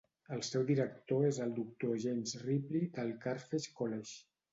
El seu director és el doctor James Ripley del Carthage College.